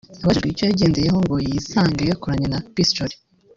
Abajijwe icyo yagendeyeho ngo yisange yakoranye na Peace Jolis